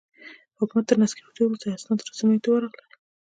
حکومت تر نسکورېدو وروسته اسناد رسنیو ته ورغلل.